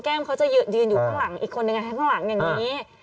เขาจะยืนอยู่ข้างหลังอีกคนนึงข้างหลังอย่างนี้